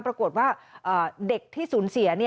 ปรากฏว่าเด็กที่สูญเสีย